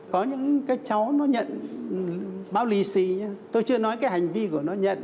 có những cái cháu nó nhận báo lì xì tôi chưa nói cái hành vi của nó nhận